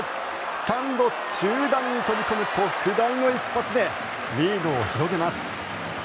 スタンド中段に飛び込む特大の一発でリードを広げます。